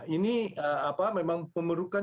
ini memang memerlukan